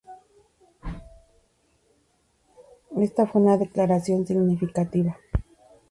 Esta fue una declaración significativa.